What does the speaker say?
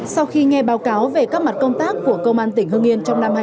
sau khi nghe báo cáo về các mặt công tác của công an tỉnh hưng yên trong năm hai nghìn